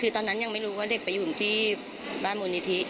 คือตอนนั้นยังไม่รู้ว่าเด็กไปอยู่ที่บ้านมูลนิธิ